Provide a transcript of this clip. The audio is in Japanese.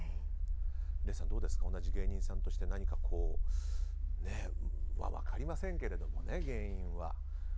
礼さん、どうですか同じ芸人さんとして分かりませんけれども芸人は。